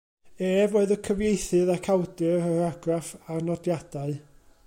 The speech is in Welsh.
Ef oedd y cyfieithydd ac awdur yr Argraff a'r Nodiadau.